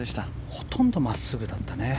ほとんど真っすぐだったね。